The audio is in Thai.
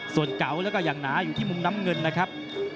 ส่วนเก่าแล้วก็อย่างหนาอยู่ที่มุมน้ำเงินนะครับ